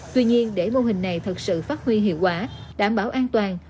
tuy nhiên để mô hình này thật sự phát huy hiệu quả đảm bảo an toàn